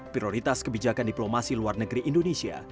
prioritas kebijakan diplomasi luar negeri indonesia